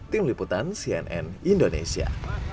tim liputan cnn indonesia